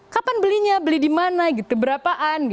kapan belinya beli di mana gitu berapaan